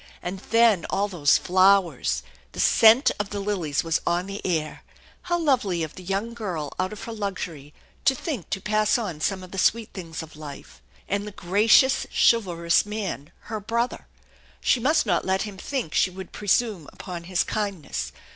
And then all those flowers ! The scent of the lilies was on the air. How lovely of the young girl out of her luxury to think to pass on some of the sweet things of life ! And the gracious, chivalrous man, her brother! She must not let him think she would presume upon his kindness.